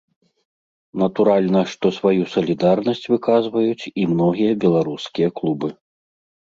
Натуральна, што сваю салідарнасць выказваюць і многія беларускія клубы.